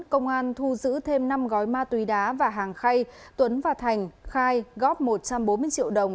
công an thu giữ thêm năm gói ma túy đá và hàng khay tuấn và thành khai góp một trăm bốn mươi triệu đồng